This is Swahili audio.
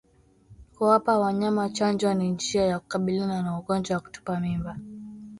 Kuwapa wanyama chanjo ni njia ya kukabiliana na ugonjwa wa kutupa mimba